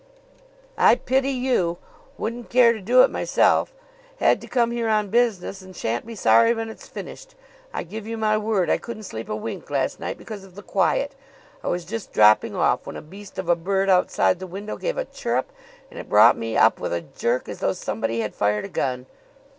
"I pity you. Wouldn't care to do it myself. Had to come here on business and shan't be sorry when it's finished. I give you my word I couldn't sleep a wink last night because of the quiet. I was just dropping off when a beast of a bird outside the window gave a chirrup, and it brought me up with a jerk as though somebody had fired a gun.